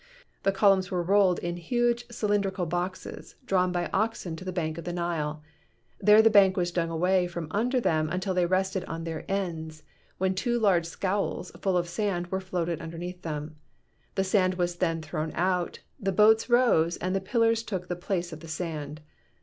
The columns were rolled in huge cylindrical boxes, drawn by oxen to the bank of the Nile. There the bank was dug away from under them until they rested on their ends, when two large scows full of sand were floated underneath them. The sand was then thrown out, the boats rose and the pillars took the place of the sand.